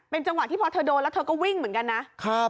จังหวะที่พอเธอโดนแล้วเธอก็วิ่งเหมือนกันนะครับ